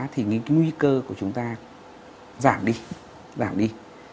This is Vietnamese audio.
thì cái nguy cơ của chúng ta giảm đi